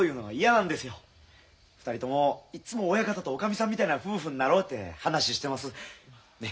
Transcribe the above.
２人ともいっつも親方とおかみさんみたいな夫婦になろうって話してます。ね？